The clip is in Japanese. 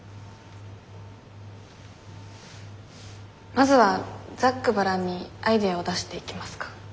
まずはざっくばらんにアイデアを出していきますか？